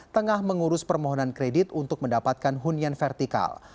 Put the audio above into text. tengah mengurus permohonan kredit untuk mendapatkan hunian vertikal